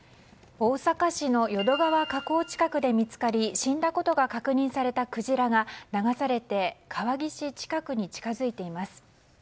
大阪市の淀川河口近くで見つかり死んだことが確認されたクジラが流されて川岸近くに近づいています。